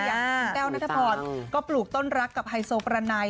อย่างคุณแต้วนัทพรก็ปลูกต้นรักกับไฮโซประไน